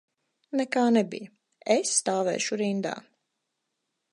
Nekā nebija, es stāvēšu rindā.